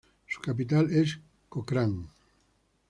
Su capital es Cochrane.